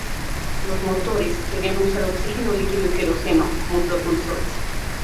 Los motores debían usar oxígeno líquido y queroseno como propulsores.